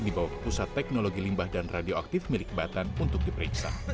dibawa pusat teknologi limbah dan radioaktif milik batan untuk diperiksa